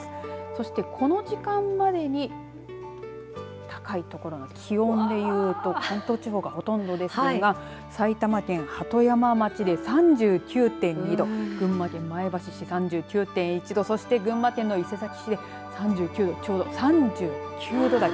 そして、この時間までに高い所の気温で言うと関東地方がほとんどですが埼玉県鳩山町で３９．２度群馬県前橋市３９．１度そして、群馬県の伊勢崎市３９度ちょうど３９度台。